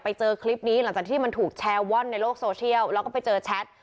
ไปเจอคลิปนี้หลังจากที่มันถูกแชร์ว่อนในโลกโซเชียลแล้วก็ไปเจอแชท